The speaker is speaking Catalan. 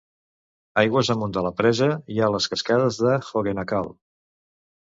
Aigües amunt de la presa hi ha les cascades de Hogenakkal.